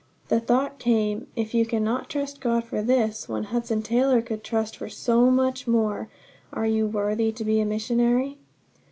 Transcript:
The thought came if you cannot trust God for this, when Hudson Taylor could trust for so much more, are you worthy to be a missionary?